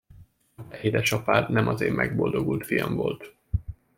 A te édes apád nem az én megboldogult fiam volt.